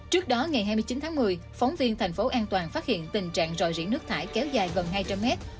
trước đó ngày hai mươi chín tháng một mươi phóng viên thành phố an toàn phát hiện tình trạng ròi rỉ nước thải kéo dài gần hai trăm linh mét